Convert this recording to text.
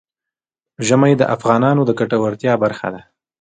ژمی د افغانانو د ګټورتیا برخه ده.